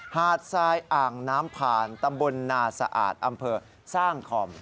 หาดทรายอ่างน้ำภานตำบลนาศาสตร์อำเภอซ่างคอม